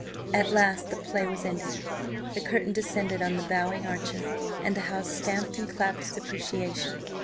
At last the play was ended! The curtain descended on the bowing Archer, and the house stamped and clapped its appreciation.